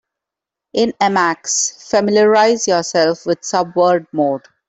In Emacs, familiarize yourself with subword mode.